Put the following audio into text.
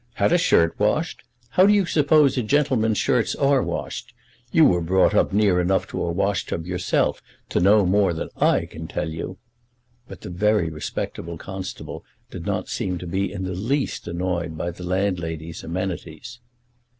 "Had a shirt washed? How do you suppose a gentleman's shirts are washed? You were brought up near enough to a washtub yourself to know more than I can tell you!" But the very respectable constable did not seem to be in the least annoyed by the landlady's amenities.